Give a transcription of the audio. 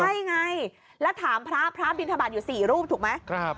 ใช่ไงแล้วถามพระพระบินทบาทอยู่๔รูปถูกไหม